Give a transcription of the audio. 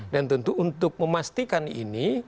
dan tentu untuk memastikan ini